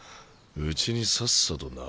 うちにさっさと慣れろ。